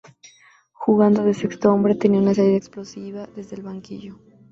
Jugando de sexto hombre, tenía una salida explosiva desde el banquillo.